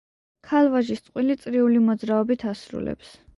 ქალ-ვაჟის წყვილი წრიული მოძრაობით ასრულებს.